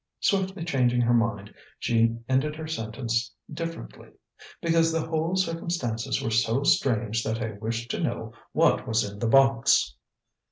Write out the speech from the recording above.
Swiftly changing her mind, she ended her sentence differently "because the whole circumstances were so strange that I wished to know what was in the box."